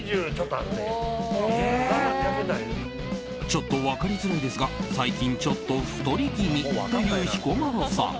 ちょっと分かりづらいですが最近、ちょっと太り気味という彦摩呂さん。